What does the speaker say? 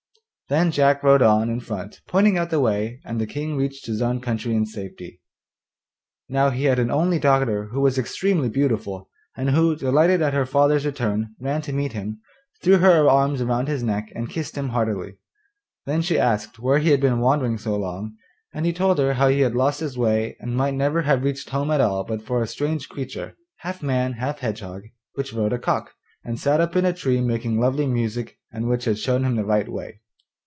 Then Jack rode on in front pointing out the way, and the King reached his own country in safety. Now he had an only daughter who was extremely beautiful, and who, delighted at her father's return, ran to meet him, threw her arms round his neck and kissed him heartily. Then she asked where he had been wandering so long, and he told her how he had lost his way and might never have reached home at all but for a strange creature, half man, half hedgehog, which rode a cock and sat up in a tree making lovely music, and which had shown him the right way.